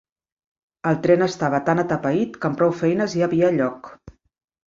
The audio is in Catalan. El tren estava tan atapeït que amb prou feines hi havia lloc